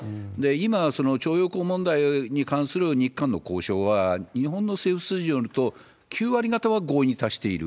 今、徴用工問題に関する日韓の交渉は、日本の政府筋によると、９割方は合意に達している。